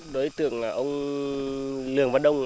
đối tượng là ông lường văn đông